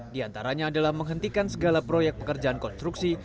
di antaranya adalah menghentikan segala proyek pekerjaan konstruksi